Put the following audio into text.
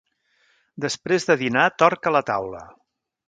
Després de dinar torca la taula.